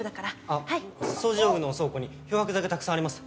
あっ掃除用具の倉庫に漂白剤がたくさんあります。